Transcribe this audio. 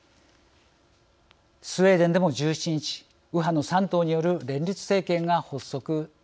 スウェーデンでも１７日右派の３党による連立政権が発足。